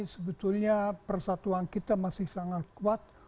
sebetulnya persatuan kita masih sangat kuat